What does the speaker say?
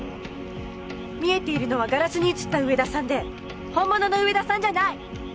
見えているのはガラスに映った上田さんで本物の上田さんじゃない！